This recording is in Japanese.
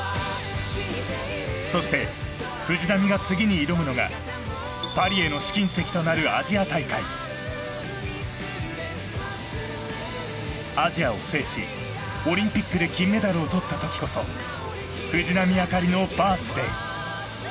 そして藤波が次に挑むのがパリへの試金石となるアジアを制しオリンピックで金メダルをとった時こそ藤波朱理のバース・デイ